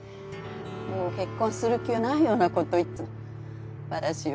もう結婚する気はないようなこと言ってますが。